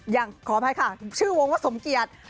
ยังขออภัยค่ะชื่อวงว่าสมเกียจ